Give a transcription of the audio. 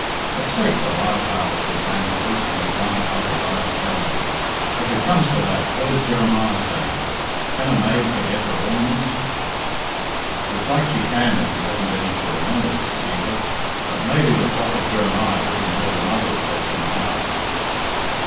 "But sakes alive, father," said Grannie, loosening a bonnet like a diver's helmet, "if it comes to that, what is Jeremiah saying, 'Can a maid forget her ornaments?'" "It's like she can if she hasn't any to remember," said Cæsar. "But maybe the prophet Jeremiah didn't know the mothers that's in now."